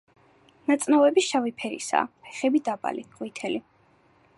ნაწნავები შავი ფერისაა; ფეხები დაბალი, ყვითელი.